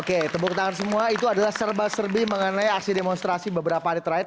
oke tepuk tangan semua itu adalah serba serbi mengenai aksi demonstrasi beberapa hari terakhir